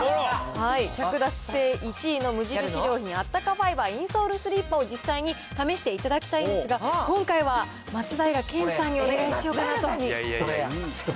着脱性１位の無印良品、あたたかファイバーインソールスリッパを、実際に試していただきたいんですが、今回は松平健さんにお願いしようかなと。